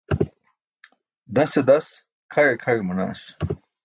Dase das kʰaẏe kʰaẏ manaas.